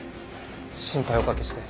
心配お掛けして。